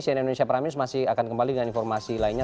cnn indonesia prime news masih akan kembali dengan informasi lainnya